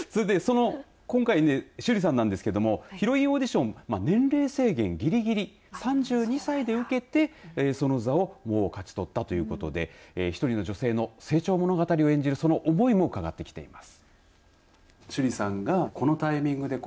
今回ね、趣里さんなんですけどヒロインオーディション年齢制限ぎりぎり３２歳で受けてその座を勝ち取ったということで１人の女性の成長物語を演じるその思いも伺ってきています。